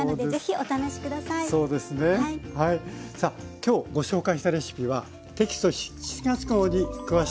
今日ご紹介したレシピはテキスト７月号に詳しく掲載されています。